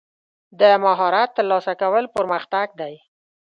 د مهارت ترلاسه کول پرمختګ دی.